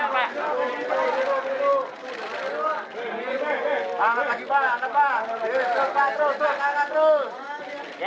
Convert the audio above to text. isa yang berhenti sestsd